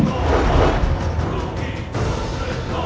mereka perlu berhenti